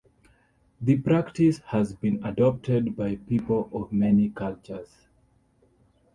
The practice has been adopted by people of many cultures.